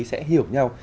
sẽ hiểu nhau